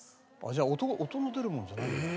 じゃあ音の出るものじゃないんだ。